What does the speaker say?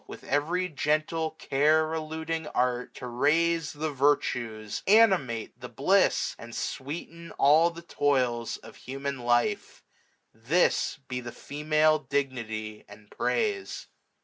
With every gentle care eluding art, 605 To raise the virtues, animate the bliss. And sweeten all the toils of human life : This be the female dignity, and praise.